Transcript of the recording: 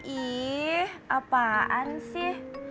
ih apaan sih